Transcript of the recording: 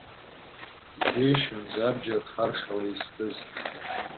Иџьеишьон забџьар харшала изкыз.